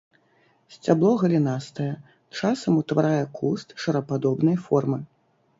Сцябло галінастае, часам утварае куст шарападобнай формы.